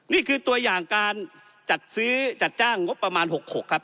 นี่คือตัวอย่างการจัดซื้อจัดจ้างงบประมาณ๖๖ครับ